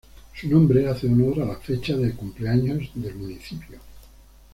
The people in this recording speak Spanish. Su nombre hace honor a la fecha de cumpleaños del municipio.